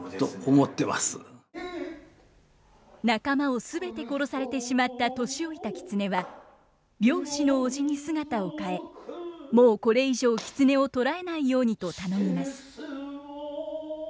仲間を全て殺されてしまった年老いた狐は猟師のおじに姿を変えもうこれ以上狐を捕らえないようにと頼みます。